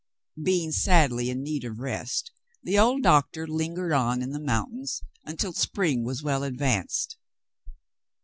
Being sadly in need of rest, the old doctor lingered on in the mountains until spring was well adv^anced.